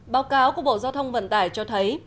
báo cáo của bộ giao thông vận tải cho thấy